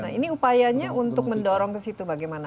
nah ini upayanya untuk mendorong ke situ bagaimana